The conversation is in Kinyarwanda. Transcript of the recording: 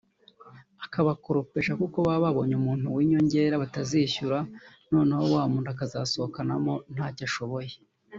akabakoropesha kuko baba babonye umuntu w’inyongera batazishyura noneho wa muntu akazasohokamo ntacyo ashoboye